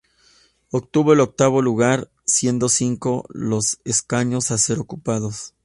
Obtuvo el octavo lugar, siendo cinco los escaños a ser ocupados.